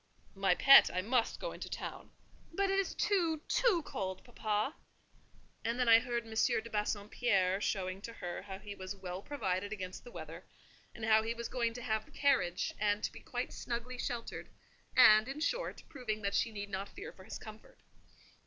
"My pet, I must go into town." "But it is too—too cold, papa." And then I heard M. de Bassompierre showing to her how he was well provided against the weather; and how he was going to have the carriage, and to be quite snugly sheltered; and, in short, proving that she need not fear for his comfort.